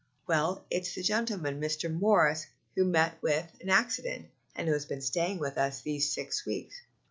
Well, it's the gentleman, Mr. Morris, who met with the accident, and who's been staying with us these six weeks."